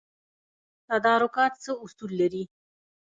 تدارکات څه اصول لري؟